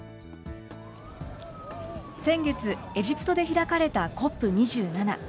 先月、エジプトで開かれたＣＯＰ２７。